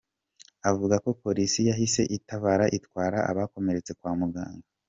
Avuga ko polisi yahise itabara, itwara abakomeretse kwa muganga.